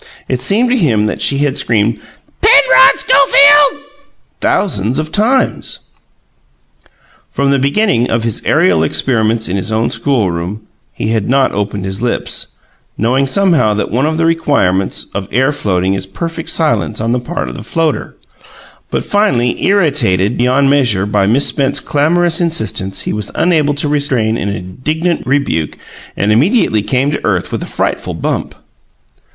It seemed to him that she had screamed "Penrod Schofield!" thousands of times. From the beginning of his aerial experiments in his own schoolroom, he had not opened his lips, knowing somehow that one of the requirements for air floating is perfect silence on the part of the floater; but, finally, irritated beyond measure by Miss Spence's clamorous insistence, he was unable to restrain an indignant rebuke and immediately came to earth with a frightful bump.